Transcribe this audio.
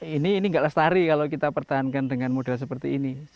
ini nggak lestari kalau kita pertahankan dengan model seperti ini